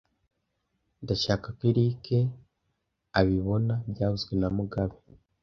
Ndashaka ko Eric abibona byavuzwe na mugabe